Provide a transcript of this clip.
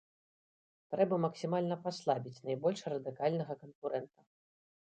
Трэба максімальна паслабіць найбольш радыкальнага канкурэнта.